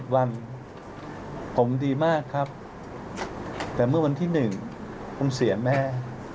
วันผมดีมากครับแต่เมื่อวันที่๑ผมเสียแม่